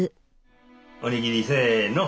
おにぎりせの！